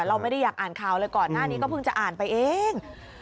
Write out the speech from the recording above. เราไม่ได้อยากอ่านข่าวเลยก่อนหน้านี้ก็เพิ่งจะอ่านไปเอง